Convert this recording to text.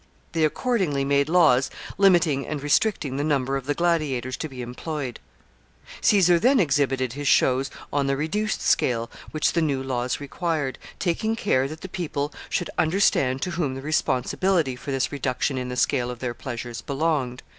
They accordingly made laws limiting and restricting the number of the gladiators to be employed. Caesar then exhibited his shows on the reduced scale which the new laws required, taking care that the people should understand to whom the responsibility for this reduction in the scale of their pleasures belonged.